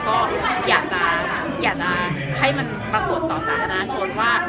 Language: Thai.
ก็อยากจะให้มันปรากฏต่อสาธารณชนว่า